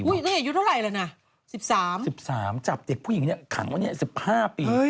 นี่อายุเท่าไหร่แล้วนะ๑๓๑๓จับเด็กผู้หญิงเนี่ยขังวันนี้๑๕ปี